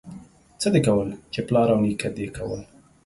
څه دي کول، چې پلار او نيکه دي کول.